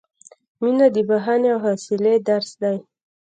• مینه د بښنې او حوصلې درس دی.